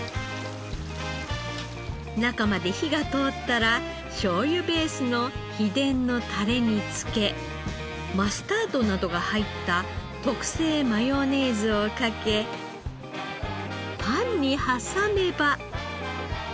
中まで火が通ったらしょうゆベースの秘伝のタレにつけマスタードなどが入った特製マヨネーズをかけパンに挟めば。